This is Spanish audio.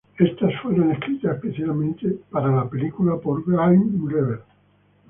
Estas fueron escritas específicamente para la película por Graeme Revell.